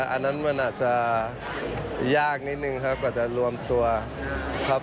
อันนั้นมันอาจจะยากนิดนึงครับกว่าจะรวมตัวครับ